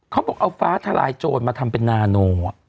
เขาบอกเอาฟ้าทลายโจรมาทำเป็นนาโน